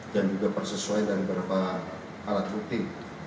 dan juga persesuaian dari beberapa alat rutin